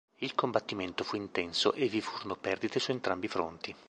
Il combattimento fu intenso e vi furono perdite su entrambi i fronti.